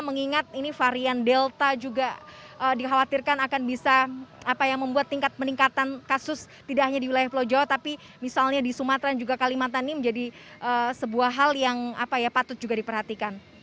mengingat ini varian delta juga dikhawatirkan akan bisa membuat tingkat peningkatan kasus tidak hanya di wilayah pulau jawa tapi misalnya di sumatera juga kalimantan ini menjadi sebuah hal yang patut juga diperhatikan